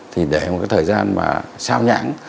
thì để một cái thời gian mà sao nhãn